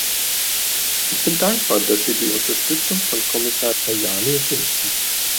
Ich bin dankbar, dass sie die Unterstützung von Kommissar Tajani finden.